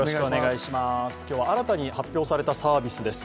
今日は新たに発表されたサービスです。